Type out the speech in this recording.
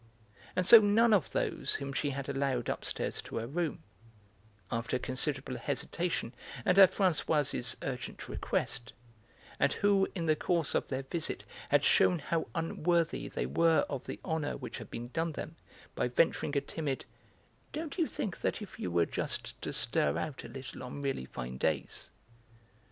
And so none of those whom she had allowed upstairs to her room, after considerable hesitation and at Françoise urgent request, and who in the course of their visit had shewn how unworthy they were of the honour which had been done them by venturing a timid: "Don't you think that if you were just to stir out a little on really fine days...?"